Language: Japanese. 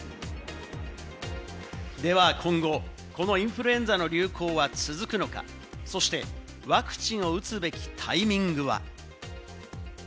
では今後、インフルエンザの流行は続くのか、そして、ワクチンを打つべきタイミングは？